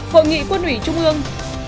hội nghị quân ủy trung ương